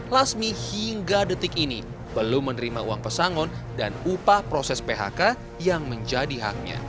lasmi hingga detik ini belum menerima uang pesangon dan upah proses phk yang menjadi haknya